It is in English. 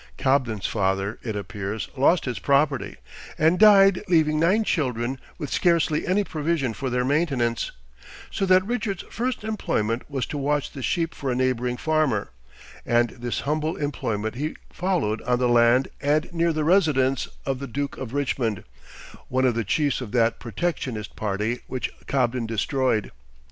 Cobden's father, it appears, lost his property, and died leaving nine children with scarcely any provision for their maintenance; so that Richard's first employment was to watch the sheep for a neighboring farmer, and this humble employment he followed on the land and near the residence of the Duke of Richmond, one of the chiefs of that protectionist party which Cobden destroyed.